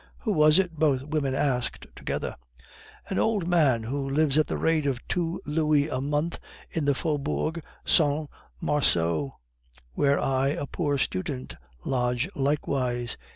"Who was it?" both women asked together. "An old man who lives at the rate of two louis a month in the Faubourg Saint Marceau, where I, a poor student, lodge likewise.